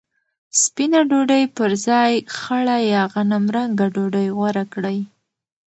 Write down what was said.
سپینه ډوډۍ پر ځای خړه یا غنمرنګه ډوډۍ غوره کړئ.